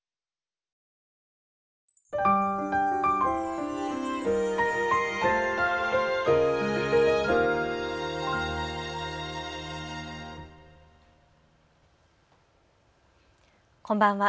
こんばんは。